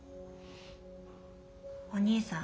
お兄さん